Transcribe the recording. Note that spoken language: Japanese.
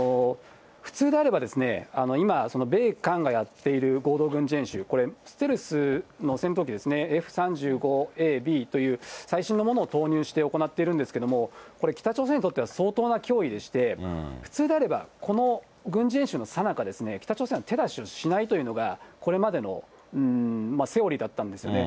普通であれば、今、米韓がやっている合同軍事演習、これ、ステルスの戦闘機ですね、Ｆ３５Ａ、Ｂという最新のものを投入して行っているんですけれども、これ、北朝鮮にとっては、相当な脅威でして、普通であれば、この軍事演習のさなか、北朝鮮は手出しをしないというのが、これまでのセオリーだったんですよね。